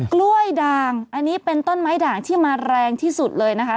กล้วยด่างอันนี้เป็นต้นไม้ด่างที่มาแรงที่สุดเลยนะคะ